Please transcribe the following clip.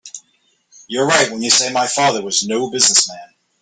You're right when you say my father was no business man.